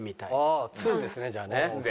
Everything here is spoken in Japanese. ああ『２』ですねじゃあね。